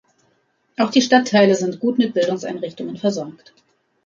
Auch die Stadtteile sind gut mit Bildungseinrichtungen versorgt.